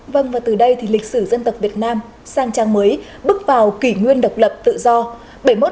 vâng và từ đây thì lịch sử dân tộc việt nam sang trang mới bước vào kỷ nguyên độc lập tự do